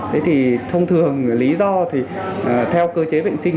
thông thường lý do thì theo cơ chế bệnh sinh